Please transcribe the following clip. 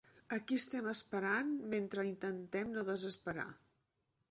Aquí estem esperant, mentre intentem no desesperar.